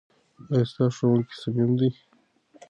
ایا ستا ښوونکی صمیمي دی؟